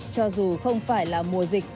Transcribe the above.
cho dù không phải là mùa dịch